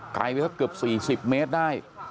ไปสักเกือบ๔๐เมตรได้